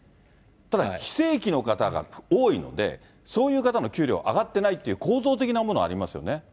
ただ、非正規の方が多いので、そういう方の給料は上がってないっていう構造的なものありますよ